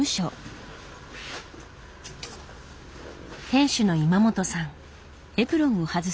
店主の今本さん。